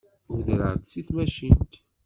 Udreɣ-d seg tmacint.